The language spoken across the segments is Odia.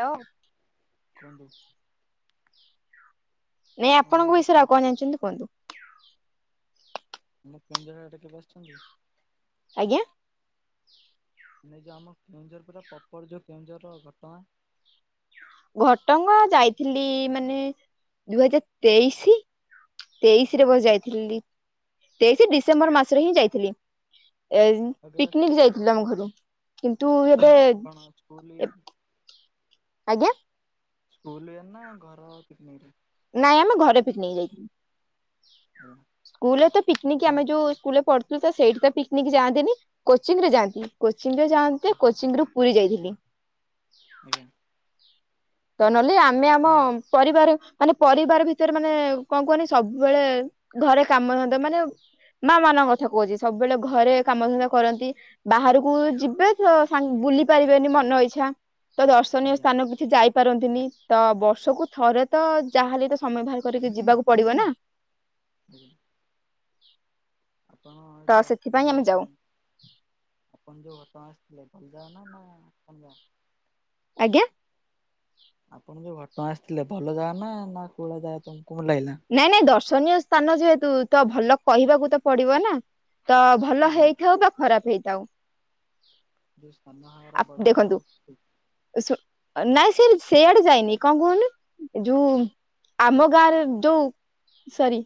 ହ୍ୟାଲୋ। କୁହନ୍ତୁ? ନାଇଁ କଣ ଏବେ ଆପଣଙ୍କ ବିଷୟରେ କଥା ଆଉ କଣ ଜାଣିଛନ୍ତି କୁହନ୍ତୁ? ଆମ କେଉଝର ଆଡ଼େ କେବେ ଆସିଛନ୍ତି। ଆଜ୍ଞା। ଏ ଯୋଉ ଆମ କେଉଁଝର ପୁରା ପପର ଯୋଉ କେଉଁଝର ଘଟଗାଁ ଘଟଗା ଯାଇଥିଲି ମାନେ ଦୁଇ ହଜାର ତେଇଶି ତେଇଶି ରେ ବଧେ ଆଜ୍ଞା ଯାଇଥିଲି ତେଇଶି ଡିସେମ୍ବର ମାସରେ ହିଁ ଯାଇଥିଲି। ଏ ଆଉ କେବେ ପିକନିକ ଆସିଛନ୍ତି? ଯାଇଥିଲ ଆମ ଘରୁ କିନ୍ତୁ ଏବେ କଣ ସ୍କୁଲ ୟେ ରେ? ଆଜ୍ଞା। ସ୍କୁଲ ଏ ନା ଘର ପିକନିକ୍? ନାଇଁ ଆମେ ଘରେ ପିକନିକ୍ ଯାଇଥିଲୁ। ଆଜ୍ଞା ସ୍କୁଲରେ ତ ପିକ୍ନିକ ଆପଣ ଆମେ ଯୋଉ ସ୍କୁଲରେପଢୁଚୁ ତ ସେଇଠି ତ ପିକ୍ନିକ ଯାଆନ୍ତିନି କୋଚିଂରେ ଯାଆନ୍ତି। କୋଚିଂରେ ଯାଆନ୍ତି ଯେ, କୋଚିଂ ରୁ ପୁରୀ ଯାଇଥିଲି। ଆଜ୍ଞା। ତ ନହଲେ ଆମେ ଆମ ଆପଣ ପରିବାର ମାନେ ପରିବାର ଭିତରେ ମାନେ କଣ କୁହନି ସବୁବେଳେ ଘରେ କାମଧନ୍ଦା ମାନେ ମା ମାନଙ୍କ କଥା କହୁଛି ସବୁବେଳେ ଘରେ କାମଧନ୍ଦା କରନ୍ତି। ବାହାରକୁ ଯିବେ ତ ସାଙ୍ଗ ବୁଲି ପାରିବେନି ମନ ଇଚ୍ଛା। ତ ଦର୍ଶନୀୟ ଆଜ୍ଞା ସ୍ଥାନକୁ କିଛି ଯାଇ ପାରନ୍ତିନି ତ ବର୍ଷକୁ ଥରେ ତ ଯାହାହେଲେ ତ ସମୟ ବାହାର କରିକି ଯିବାକୁ ପଡିବ ନା ହୁଁ। ଆପଣ ତ ଏଠି ଆସିଲେ ସେଥିପାଇଁ ଯିବା ଆମେ ଯାଉ ପାଇଁ। ଆପଣ ଯୋଉ ଘଟଗାଁ ଆସିଥିଲେ [unintelligible] ଆଜ୍ଞା। ଆପଣ ଯୋଉ ଘଟଣା ଆସିଥିଲେ ଭଲ ଜାଗା ନା ନା କୁଳା ଜାଗା ତମକୁ ମୁଁ ଲାଗିଲା। ନାଇଁ ନାଇଁ ଦର୍ଶନୀୟ ସ୍ଥାନ ଯେହେତୁ ତ ଭଲ କହିବାକୁ ତ ପଡିବ ନା? ତ ଭଲ ଆଜ୍ଞା ହେଇଥାଉ ବା ଖରାପ ହେଇଥାଉ। ଦେ [unintelligible] ସ୍ ନାନହାରହାର ବଡ଼ ହହାର ଦେଖନ୍ତୁ ଗୁ। ନାଇଁ ସେ ସେଆଡେ ଯାଇନି କଣ କୁହନି ଯୋଉ ଆମ ଗାଁରେ ଯୋଉ ସରି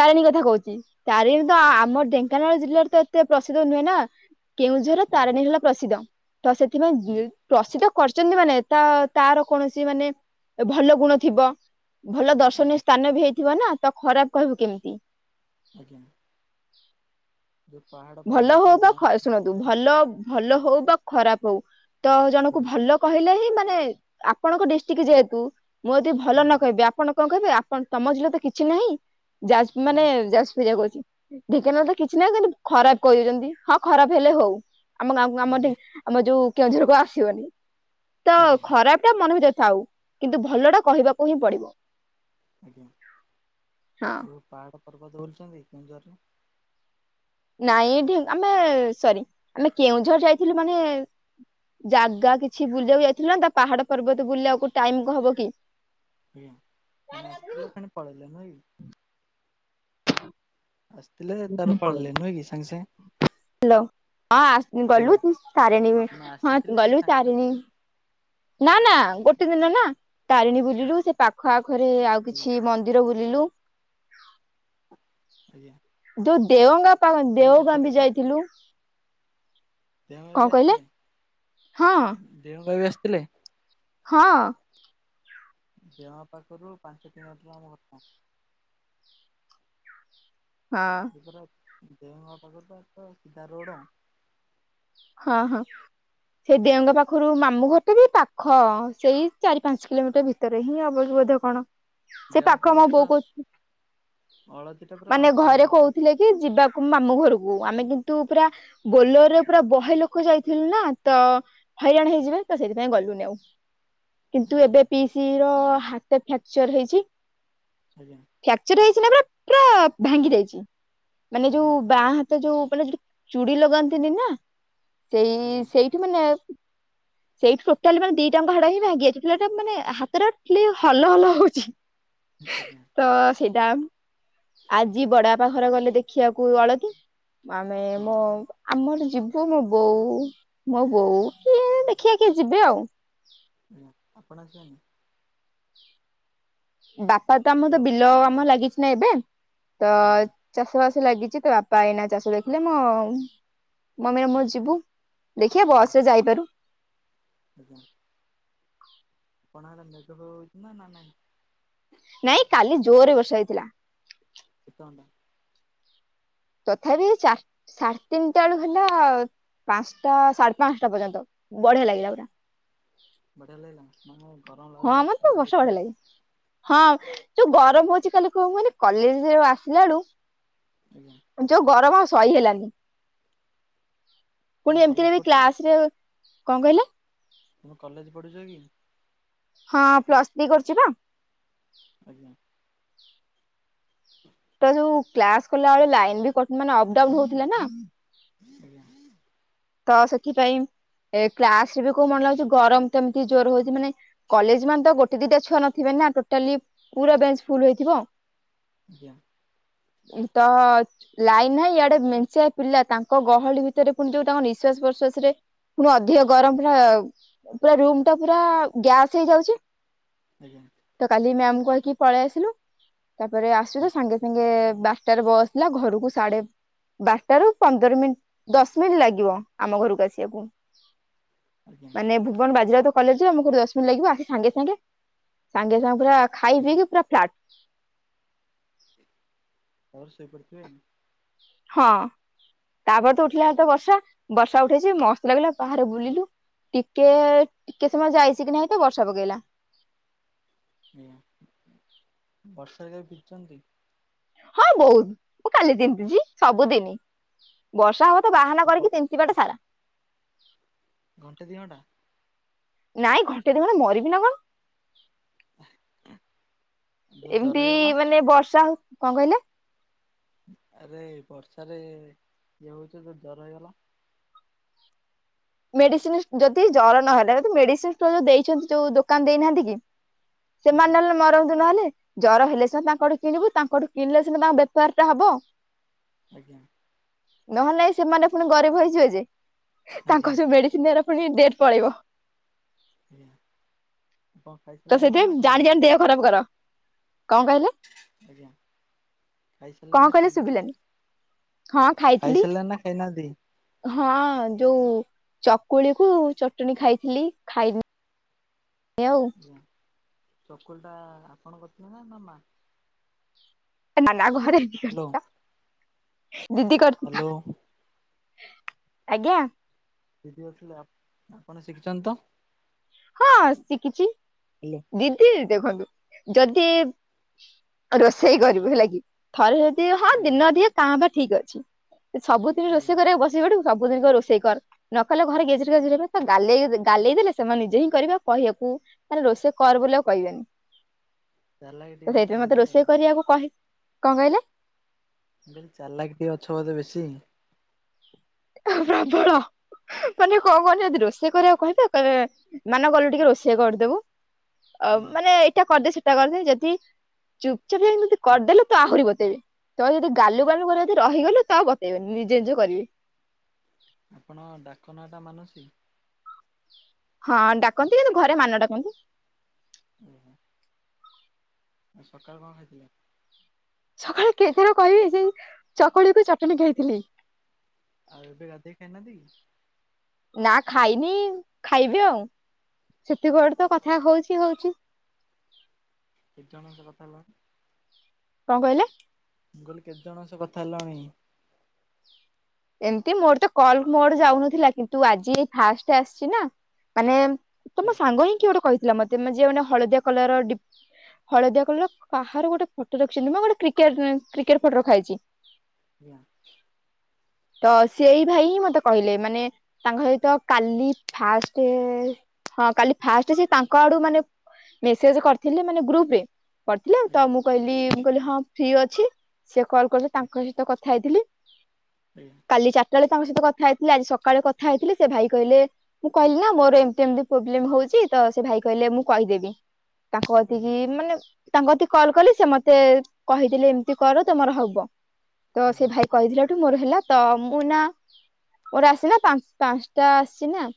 ତାରିଣୀ କଥା କହୁଛି ତାରିଣୀ ତ ହୁଁ ଆମର ଢେଙ୍କାନାଳ ଜିଲ୍ଲାରେ ତ ଏତେ ପ୍ରସିଦ୍ଧ ନୁହେଁ ନା କେଉଁଝର ଆଜ୍ଞା ତାରଣୀ ହେଲା ପ୍ରସିଦ୍ଧ। ତ ଆଜ୍ଞା ସେଥିପାଇଁ ପ୍ରସିଦ୍ଧ। କରିଛନ୍ତି ମାନେ ତା ତାର କୌଣସି ମାନେ ଭଲ ଗୁଣ ଥିବ ଭଲ ଦର୍ଶନୀୟ ଆଜ୍ଞା ଆଜ୍ଞା ସ୍ଥା ସ୍ଥାନ ବି ହେଇଥିବ ନା ତ ଖରାପ କହିବୁ କେମିତି? ଆଜ୍ଞା। ଯୋଉ ପାହାଡ ଭଲ ହଉ ପର୍ବତ ବା ଖ ଡ୍ୟାନ୍ସ ଶୁଣନ୍ତୁ? ଭଲ ଭଲ ହଉ ବା ଖରାପ ହଉ ତ ଜଣକୁ ଆଜ୍ଞା ଭଲ କହିଲେ ହିଁ ମାନେ ଆପଣଙ୍କ ଡିଷ୍ଟ୍ରିକ୍ଟ ଯେହେତୁ ମୁଁ ଯଦି ଭଲ ନ ଆଜ୍ଞା କହିବି। ଆପଣ କଣ କହିବେ ଆପଣ ତମ ଜିଲ୍ଲା ତ କିଛି ନାହିଁ ଯାଜ ମାନେ ଆଜ୍ଞା ଯାଜପୁରିଆ କହୁଛି। ଢେଙ୍କାନାଳ ତ କିଛି ନାହି କିନ୍ତୁ ଖରାପ କହିଦେଉଛନ୍ତି ହଁ ଖରାପ ହେଲେ ହଉ ଆମ ଗାଁ ଆମର ଆଜ୍ଞା ଢେଙ୍କ ଆମ ଯୋଉ କେଉଁଝରକୁ ଆସିବନି ତ ଆଜ୍ଞା ଖରାପ ତ ମନ ଭିତରେ ଥାଉ କିନ୍ତୁ ଭଲ ଟା କହିବାକୁ ହିଁ ପଡିବ? ଆଜ୍ଞା ହଁ ଯୋଉ ପାହାଡ ପର୍ବ ଦେଖିଛନ୍ତି କେଉଁ କେଉଁଝର? ନାଇଁ ଏଠି ଆମେ ସରି ଆମେ କେଉଁଝର ଯାଇଥିଲୁ ମାନେ ଜାଗା କିଛି ବୁଲିବାକୁ ଯାଇଥିଲା ନା ତା ପାହାଡ ପର୍ବତ ବୁଲିବାକୁ ଟାଇମ କୋଉ ହବ କି? ଆଜ୍ଞା ମାନେ ଆସିଥିଲେ ଫେଣି ପଳେଇଲେ ନୁହେ କି? ଆସିଥିଲେ ତାର ପଳେଇଲେ ନୁଁହେ କି ସାଙ୍ଗସାଙ୍ଗ ହ୍ୟାଲୋ ହଁ ଆସ୍ ହ୍ୟାଲୋ ଗଲୁ ତାରେଣୀ ମାନେ ହଁ ଆସିଥିଲେ ଗଲୁ ସାଙ୍ଗେ ସାଙ୍ଗେ ତାରିଣୀ ପଳେଇଲେ ନା ନା ଗୋଟେ ଦିନ ନା ତାରିଣୀ ବୁଲିଲୁ ସେ ପାଖ ଆଖରେ ଆଉ ଆଜ୍ଞା କିଛି ମନ୍ଦିର ବୁଲିଲୁ। ଆଜ୍ଞା। ଯୋଉ ଦେଓଗାଁ ପାବାନ୍ ପୁରୀ ଦେଓଗାଁ କେତେଥର ବି ଯାଇଥିଲୁ। ଦେଓ ଗାଁ କଣ ବି କହିଲେ ଆସିଥିଲେ। ହଁ ଦେଓ ଗାଁ ବି ଆସିଥିଲେ। ହଁ ଦେଓ ପାଖରୁ ପାଞ୍ଚ କିଲୋମିଟର୍ ଆମ ଘର ଟା। ହଁ। ଦେଓ ଗାଁ ପାଖରୁ ସିଧା ରୋଡ। ହଁ ହଁ ସେଇ ଦେଓ ଗାଁ ପାଖରୁ ମାମୁଁ ଘର ଟା ବି ପାଖ ସେଇ ଚାରି ପାଞ୍ଚ କିଲୋମିଟର ଭିତରେ ହିଁ ହବ କି ବୋଧେ କଣ? ସେ ଦେଓମାଳି ପାଖ ମୋ ପାଖରୁ ବୋଉ ତ କହୁ ଅଳତିଟା ପୁରା ମାନେ ପାଞ୍ଚ ଘରେ କିଲୋମିଟର କହୁଥିଲେ କି ଯିବାକୁ ମାମୁଁ ଘରୁକୁ ଆମେ କିନ୍ତୁ ପୁରା ବୋଲୋର୍ ରେ ପୁରା ବହେ ଲୋକ ଯାଇଥିଲୁ ନା ତ ହଇରାଣ ଆଜ୍ଞା ହେଇଯିବେ ତ ସେଇଥିପାଇଁ ଗଲୁନି ଆଉ। କିନ୍ତୁ ଆଜ୍ଞା ଏବେ ପିଇସିର ହାତ ଫ୍ରାକ୍ଚର ହେଇଛି। ଆଜ୍ଞା। ଫ୍ରାକ୍ଚର ହେଇଛି ନା ପୁରା ପୁରା ଭାଙ୍ଗି ଯାଇଛି ମାନେ ଆଜ୍ଞା ଯୋଉ ବାହା ତ ଯୋଉ ମାନେ ଯୋଉଠି ଚୁଡି ଲଗାନ୍ତିନି ନା ସେଇ ଆଜ୍ଞା ସେଇଠି ମାନେ ସେଇଠି ଟୋଟାଲି ମାନେ ଦିଟାଙ୍କ ହାଡ ହିଁ ଭାଙ୍ଗି ଯାଇଛି ପିଲାଟା ମାନେ ହାତଟା ଖାଲି ହଲ ହଲ ହଉଛି। ଆଜ୍ଞା ତ [unintelligible] ଆଜି ବଡବାପା ଘର ଗଲେ ଦେଖିବାକୁ ଅଳକି। ଆମେ ମୋ ଆଜ୍ଞା ଆମର ଜୀ ମୋ ବୋଉ ମୋ ବୋଉ କିଏ ଦେଖିବା କିଏ ଯିବେ ଆଉ। ଆଜ୍ଞା। ଆପଣ ଆସିବେନି? ବାପା ତ ଆମର ତ ହ୍ୟାଲୋ। ବିଲ କାମରେ ଲାଗିଚି ନା ଏବେ ତ ଆଜ୍ଞା ଚାଷ ବାସ ଲାଗିଚି ତ ବାପା ଏଇନା ଚାଷ ଦେଖିଲେ ମୋ ମମିର ମୋର ଯିବୁ। ଦେଖିଆ ବସ୍ ରେ ଯାଇପାରୁ। ଆଜ୍ଞା। ଆପଣ ଙ୍କ ଆଡେ ମେଘ ଫେଘ ହଉଚି ନା ନା ନାହିଁ? ନାଇଁ କାଲି ଜୋରେ ବର୍ଷା ହେଇଥିଲା। କେତେ ଘଣ୍ଟା? ତଥାବି ଚାର୍ ସାଢେ ତିନିଟା ବେଳୁ ହେଲା ପାଞ୍ଚଟା ସାଢେ ପାଞ୍ଚଟା ପର୍ଯ୍ୟନ୍ତ, ବଢିଆ ଲାଗିଲା ପୁରା। ବଢିଆ ଲାଗିଲା। ଗରମ ହଁ ଲାଗୁଥିଲା ମତେ ଥଣ୍ଡା ବର୍ଷା ଲାଗିଥିବ। ବଢିଆ ଲାଗେ ହଁ। ଯୋଉ ଗରମ ହଉଚି ଖାଲି କଣ କୁହନି ମୁଁ କଲେଜ ଯୋଉ ଆସିଲା ବେଳୁ ଆଜ୍ଞା। ଯୋଉ ଗରମ ଆଉ ସହି ହେଲାନି। ତମେ ପୁଣି ଏମତିରେ କଲେଜ ବି ପଢୁଛ କ୍ଲାସରେ କଣ କହିଲେ? ତମେ କଲେଜ ପଢ଼ୁଚ କି? ହଁ ପ୍ଲସ୍ ଥ୍ରୀ କରୁଚି ପା। ଆଜ୍ଞା। ତ ଯୋଉ କ୍ଲାସ କଲା ବେଳେ ଲାଇନ ବି କଟ୍ ମାନେ ଅପ୍ ଡାଉନ ହଉଥିଲା ନା। ଆଜ୍ଞା। ତ ସେଥିପାଇଁ ଏ କ୍ଲାସ୍ ରେ ବି କୋଉ ମନ ଲାଗୁଚି ଗରମ ତ ଏମତି ଜୋରେ ହଉଚି ମାନେ କଲେଜ୍ ମାନେ ତ ଗୋଟେ ଦିଟା ଛୁଆ ନଥିବେ ନା ଟୋଟାଲି ପୁରା ବେଞ୍ଚ ଫୁଲ୍ ହେଇଥିବ। ଆଜ୍ଞା। ତ ଲାଇନ ନାହିଁ, ଇଆଡେ ମେଞ୍ଚାଏ ପିଲା ତାଙ୍କ ଗହଳି ଭିତରେ ପୁଣି ଯୋଉ ତାଙ୍କ ନିସ୍ ନିଃଶ୍ୱାସ ପ୍ରଶ୍ୱାସରେ ପୁଣି ଅଧିକ ଗରମ ପୁରା ପୁରା ରୁମ୍ ଟା ପୁରା ଗ୍ୟାସ୍ ହେଇଯାଉଚି। ଆଜ୍ଞା। ତ କାଲି ମ୍ୟାମ୍ କୁ କହିକି ପଳେଇ ଆସିଲୁ। ତାପରେ ଆସିଲୁ ତ ସାଙ୍ଗେ ସାଙ୍ଗେ ବାରଟା ରେ ବସ୍ ଥିଲା, ଘରକୁ ସାଢେ ବାରଟା ରୁ ପନ୍ଦର ମିନିଟ ଦଶ ମିନିଟ୍ ଲାଗିବ। ଆମ ଘରକୁ ଆସିବାକୁ। ଆଜ୍ଞା ମାନେ ଭୁବନ ବାଜିରାଉତ କଲେଜରେ ଆମକୁ ଦଶ ମିନିଟ ଲାଗିବ। ଆସି ସାଙ୍ଗେ ସାଙ୍ଗେ ସାଙ୍ଗେ ସାଙ୍ଗେ ପୁରା ଖାଇ ପିକି ପୁରା ଫ୍ଲାଟ୍। ତାପରେ ଶୋଇପଡିଥିବେ। ହଁ। ତାପରେ ତ ଉଠିଲା ବେଳକୁ ତ ବର୍ଷା। ବର୍ଷା ଉଠେଇଚି ମସ୍ତ ଲାଗିଲା ବାହାରେ ବୁଲିଲୁ। ଟିକେ ଟିକେ ସମୟ ଯାଇଚି କି ନାଇଁ ତ ବର୍ଷା ପକେଇଲା। ଆଜ୍ଞା। ବର୍ଷାରେ କେବେ ଭିଜିଛନ୍ତି? ହଁ ବହୁତ୍। ମୁଁ କାଲି ତିନ୍ତିଚି। ସବୁଦିନି, ବର୍ଷା ହବ ତ ବାହାନା କରିକି ତି ନ୍ତି ବାଟା ସାରା। ଘଣ୍ଟେ ଦି ଘଣ୍ଟା? ନାଇଁ ଘଣ୍ଟେ ଦିଘଣ୍ଟା ମରିବି ନା କଣ। ଆ। ଏମିତି ମାନେ ବର୍ଷା ହଉ, କଣ କହିଲେ? ଆରେ ବର୍ଷାରେ ଇଏ ହଉଛ ଯଦି ଜର ହେଇଗଲା? ମେଡିସିନ ଯଦି ଜର ନହେଲା, ମେଡିସିନ ଷ୍ଟୋର ଯୋଉ ଦେଇଛନ୍ତି ଯୋଉ ଦୋକାନ ଦେଇନାହାନ୍ତି କି? ସେମାନେ ଆଜ୍ଞା ନହେଲେ ମରନ୍ତୁ ନହେଲେ। ଜର ହେଲେ ସିନା ତାଙ୍କଠୁ କିଣିବୁ, ତାଙ୍କଠୁ କିଣିଲେ ସିନା ତାଙ୍କ ବେପାରଟା ହବ। ଆଜ୍ଞା। ନହେଲେ ନାଇ ସେମାନେ ପୁଣି ଗରିବ ହେଇଯିବେ ଯେ, ତାଙ୍କ ଆଜ୍ଞା ଯୋଉ ମେଡିସିନ ସେରା ପୁଣି ଡେଟ୍ ପଳେଇବ। ଆଜ୍ଞା କଣ ତ ଖାଇଥିଲନା ନା ସେଥିପାଇଁ ଜାଣି ଜାଣି ଖାଇନାହାନ୍ତି? ଦେହ ଖରାପ କର, କଣ କହିଲେ? ଆଜ୍ଞା କଣ ଖାଇସାରିଲେ ନା କହିଲେ ଖାଇନାହାନ୍ତି? ଶୁଭିଲାନି ହଁ ଖାଇଥିଲି ଖାଇସାରିଲେ ନା ଖାଇନାହାନ୍ତି? ହଁ ଯୋଉ ଚକୁଳିକୁ ଚଟଣି ଖାଇଥିଲି, ଖାଇନି ଆଉ ଆଜ୍ଞା ଚକୁଳିଟା ଆପଣ କରିଥିଲେ ନା ନା ମା? ନାଁ ନାଁ ଘରେ ହ୍ୟାଲୋ କରିଥିଲା ଦିଦି କରିଥିଲା। ହ୍ୟାଲୋ ଆଜ୍ଞା। ଦିଦି କରିଥିଲେ, ଆପଣ ଶିଖିଛନ୍ତି ତ? ହଁ ଶିଖିଛି। ହ୍ୟାଲୋ ଦି ଦି ଦେଖନ୍ତୁ, ଯଦି ରୋଷେଇ କରିବୁ ହେଲା କି ଥରେ ଯଦି ହଁ ଆଜ୍ଞା ଦିନ ଅଧିଆ କାଁ ଭା ଠିକ୍ ଅଛି, ଯଦି ସବୁଦିନ ଆଜ୍ଞା ରୋଷେଇ କରିବାକୁ ବସି ପଡିବୁ ସବୁଦିନ କହିବେ ରୋଷେଇ କର, ନ କଲେ ଘରେ ଗେଜେରେ ଗେଜେରେ ହେବେ। ତ ଗାଲେଇ ଗାଲେଇ ଦେଲେ ସେମାନେ ନି ଜେ ହିଁ କରିବେ ଆଉ କହିଆକୁ, ମାନେ ରୋଷେଇ କର ବୋଲି ଆଉ କହିବେନି। ଚାଲାକି ତ ଟିକେ ଅଛ ସେଇଥିପାଇଁ ମତେ ବୋଧେ ରୋଷେଇ ମୁଁ କରିବାକୁ କହି, କଣ କହିଲେ? ମୁଁ କହିଲି ଚାଲାକ୍ ଟିକେ ଅଛ ବୋଧେ ବେଶୀ? ହଁ ପ୍ରବଳ। ମାନେ କଣ କୁହନି ଯଦି ରୋଷେଇ କରିବାକୁ କହିବେ, କହିବେ ମାନୁଆ ଗଲୁ ଟିକେ ରୋଷେଇ କରିଦବୁ। ଅ ଆଜ୍ଞା ମାନେ ଏଇଟା କରିଦେ ସେଇଟା କରିଦେ ଯେଦି ଚୁପଚାପ ହେଇକି ଯଦି କରିଦେଲୁ, ତ ଆହୁରି ବତେଇବେ। ତ ଯଦି ଗାଲୁ ଗାଲୁ କରି ଯଦି ରହିଗଲୁ ତ ଆଉ ବତେଇବେନି, ନିଜେ ନିଜେ କରିବେ। ଆପଣଙ୍କ ଡାକ ନାଁ ଟା ମାନସି? ହଁ ଡାକନ୍ତି କିନ୍ତୁ ଘରେ ମାନୁଆ ଡାକନ୍ତି। ଉଁ - ହୁଁ। ଆଉ ସକାଳୁ କଣ ଖାଇଥିଲେ? ସକାଳେ କେଇଥର କହିବି, ସେଇ ଚକୁଳିକୁ ଚଟଣି ଖାଇଥିଲି। ଆଉ ଏବେ ଗାଧେଇ ଖାଇନାହାଁନ୍ତି କି? ନା ଖାଇନି ଖାଇବି ଆଉ, ସେତିକି ବେଡୁ ତ କଥା ହଉଛି ହଉଛି। କେତେ ଜଣଙ୍କ ସହ କଥା ହେଲଣି? କଣ କହିଲେ? ମୁଁ କହିଲି କେତେ ଜଣଙ୍କ ସହ କଥା ହେଲଣି? ଏମିତି ମୋର ତ କଲ୍ ମୋ ଆଡୁ ଯାଉନଥିଲା, କିନ୍ତୁ ଆଜି ଏ ଫାଷ୍ଟ ଆସିଛି ନା ମାନେ ଆଜ୍ଞା ତମ ସାଙ୍ଗ ହିଁ କିଏ ଗୋଟେ କହିଥିଲା ମତେ ମ, ଯିଏ ମାନେ ହଳଦିଆ କଲର ଡି ହଳଦିଆ କଲର କାହାର ଗୋଟେ ଫଟୋ ରଖିଛନ୍ତି ମ, ଗୋଟେ କ୍ରିକେଟ ଉମ କ୍ରିକେଟ ଫଟୋ ରଖାହେଇଛି। ଆଜ୍ଞା। ତ ସେଇ ଭାଇ ହିଁ ମତେ କହିଲେ, ମାନେ ତାଙ୍କ ସହିତ କାଲି ଫାଷ୍ଟ ହଁ କାଲି ଫାଷ୍ଟ ସେ ତାଙ୍କ ଆଡୁ ମାନେ ମେସେଜ କରିଥିଲେ ମାନେ ଗ୍ରୁପରେ। କରିଥିଲେ ତ ଆଜ୍ଞା ମୁଁ କହିଲି ମୁଁ କହିଲି ହଁ ଫ୍ରି ଅଛି ସେ କଲ କରିଥିଲେ ତାଙ୍କ ସହିତ କଥା ହେଇଥିଲି। [inaudible] କାଲି ଚାରଟାବେଳେ ତାଙ୍କ ସହିତ କଥା ହେଇଥିଲି, ଆଜି ସକାଳେ କଥା ହେଇଥିଲି। ସେ ଭାଇ କହିଲେ, ମୁଁ କହିଲି ନା ମୋର ଏମତି ଏମତି ପ୍ରୋବ୍ଲେମ ହଉଛି ତ ସେ ଭାଇ କହିଲେ ମୁଁ କହିଦେବି ତାଙ୍କ କତିକି ଆଜ୍ଞା ମାନେ ତାଙ୍କ କତିକି କଲ କଲି ସେ ମତେ କହିଦେଲେ ଏମିତି କର ତମର ହବ ତ ସେ ଆଜ୍ଞା ଭାଇ କହିଦେଲାଠୁ ମୋର ହେଲା ତ ମୁଁ ନା ମୋର ଆସିନା ପାଂ ପାଞ୍ଚଟା ଆସିଛି ନା।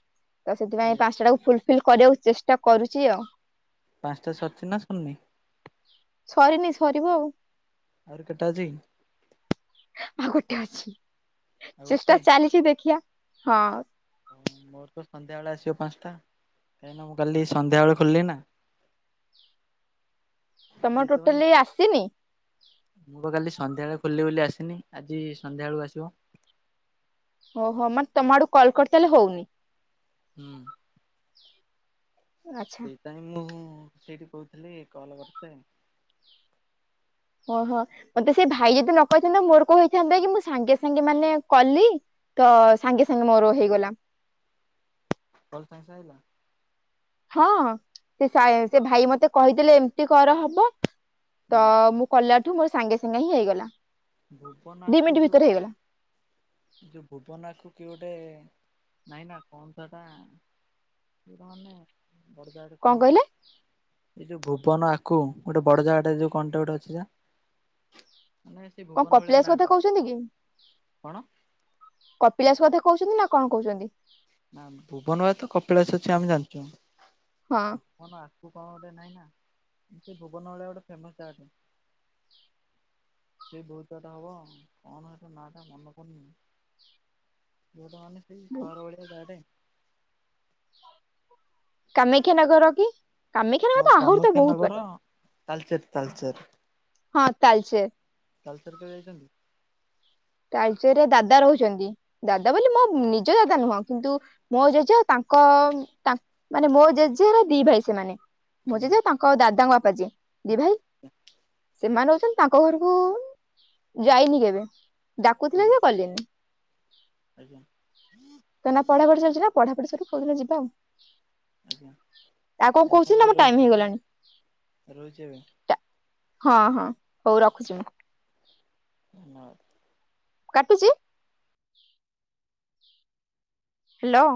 ତ ସେଥିପାଇଁ ଆଜ୍ଞା। ପାଞ୍ଚଟା ଟାକୁ ଫୁଲଫିଲ କରିବାକୁ ଚେଷ୍ଟା କରୁଛି ଆଉ। ପାଞ୍ଚଟା ସରିଛି ନା ସରିନି? ସରିନି ସରିବ ଆଉ। ଆହୁରି କେଟା ଅଛି? ଆଉ ଗୋଟେ ଅଛି ଆଉ ଗୋଟେ ଚେଷ୍ଟା ଚାଲିଛି ଦେଖିବା, ହଁ। ହଁ ମୋର ତ ସନ୍ଧ୍ୟାବେଳେ ଆସିବ ପାଞ୍ଚଟା କାହିଁକିନା ମୁଁ କାଲି ସନ୍ଧ୍ୟାବେଳେ ଖୋଲିଲି ନା। ତମର ସେଇଥିପାଇଁ ଟୋଟାଲି ଆସିନି? ମୁଁ ପା କାଲି ସନ୍ଧ୍ୟାବେଳେ ଖୋଲିଲି ବୋଲି ଆସିନି ଆଜି ସନ୍ଧ୍ୟା ବେଳକୁ ଆସିବ। ଓହୋ ମାନେ ତମ ଆଡୁ କଲ୍ କରି ତାହେଲେ ହଉନି। ହୁଁ। ଆଚ୍ଛା। ନାଇଁ ମୁଁ ସେଇଠି କହୁଥିଲି କଲ କରିଥିଲେ। ଓହୋ ମତେ ସେ ଭାଇ ଯଦି ନକହିଥାନ୍ତେ ମୋର କଁ ହେଇଥାନ୍ତା କି ମୁଁ ସାଙ୍ଗେ ସାଙ୍ଗେ ମାନେ କଲି। ତ ସାଙ୍ଗେ ସାଙ୍ଗେ ମୋର ହେଇଗଲା। କଲ ସାଙ୍ଗେ ସାଙ୍ଗେ ହେଲା। ହଁ ସେ ସେ ଭାଇ ମତେ କହିଦେଲେ ଏମିତି କର ହବ ତ ମୁଁ କଲାଠୁ ମୋର ସାଙ୍ଗେ ସାଙ୍ଗେ ହିଁ ହେଇଗଲା। ଦି ଭୁବନାକୁ ମିନିଟ୍ ଭିତରେ ଯୋଉ ହେଇଗଲା ଯୋଉ ଭୁବନାକୁ କି ଗୋଟେ ନାଇଁ ନା କଣ ତ ଏଟା? [unintelligible] କଣ କଣ ଗୋଟେ। କହିଲେ ଏଇ ଯୋଉ ଭୁବନ ଆକୁ ଗୋଟେ ବଡ ଜାଗା ଟା ଯୋଉ କଣଟା ଗୋଟେ ଅଛି ଯା। ନାହିଁ ସେ କଣ ଭୁବନ ଭଳିଆ କପିଳାସ କଥା ନାଁଟେ କହୁଛନ୍ତି କି କଣ? କପିଳାସ କଥା କହୁଛନ୍ତି ନା କଣ କହୁଛନ୍ତି? ନା ଭୁବନ ଆଡେ ତ କପିଳାସ ଅଛି ଆମେ ଜାଣିଛୁ। ହଁ ଭୁବନ ଆଗକୁ କଣ ଗୋଟେ ନାଇଁ ନା ସେ ଭୁବନ ଭଳିଆ ଗୋଟେ ଫେମସ ଜାଗାଟେ। ସେ ବହୁତ ବାଟ ହବ କଣ ଏଟା ନାଁ ଟା ମନ ପଡୁନି। ସିଏ ତ ମାନେ ସେଇ ସହର ଭଳିଆ ଜାଗା ଟେ। କାମାକ୍ଷାନଗର କି? ହଁ କାମାକ୍ଷାନଗର ତ ଆହୁରି ତ କାମାକ୍ଷା ବହୁତ ନଗର ବାଟ। ତାଲଚେର ତାଲଚେର। ହଁ ତାଲଚେର। ତାଲଚେର କେବେ ଯାଇଛନ୍ତି? ତାଲଚେରେ ଦାଦା ରହୁଛନ୍ତି। ଦାଦା ବୋଲି ମୋ ନିଜ ଦାଦା ନୁହଁ କିନ୍ତୁ ମୋ ଜେଜେ ତାଙ୍କ ତାଙ୍କ ମାନେ ମୋ ଜେଜେ ର ଦି ଭାଇ ସେମାନେ ମୋ ଆଜ୍ଞା ଜେଜେ ତାଙ୍କ ଦାଦାଙ୍କ ବାପା ଯିଏ ଦି ଭାଇ। ସେମାନେ ହଉଛନ୍ତି ତାଙ୍କ ଘରକୁ ଯାଇନି କେବେ। ଡାକୁଥିଲେ ଆଜ୍ଞା ଯେ ଗଲିନି ଆଜ୍ଞା ତ ନା ପଢା ପଢି ଚାଲିଛି ନା। ପଢ଼ା ପଢ଼ି ସରୁ କୋଉଦିନ ଯିବା ଆଉ। ଆଜ୍ଞା ଆ କଣ ଆଜ୍ଞା ମୁଁ କହୁଛ ନା ଏବେ ମୋ ଟାଇମ୍ ରହୁଛି ହେଇଗଲାଣି। ରହୁଛି ଏବେ ଟା-ହଁ, ହଁ ହଉ ରଖୁଛି ମୁଁ। ଧନ୍ୟବାଦ। କାଟୁଚି? ହ୍ୟାଲୋ।